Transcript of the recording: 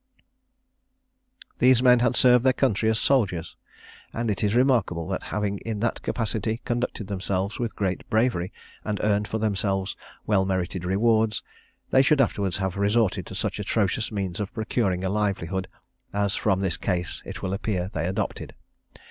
These men had served their country as soldiers, and it is remarkable that having in that capacity conducted themselves with great bravery, and earned for themselves well merited rewards, they should afterwards have resorted to such atrocious means of procuring a livelihood, as from this case it will appear they adopted.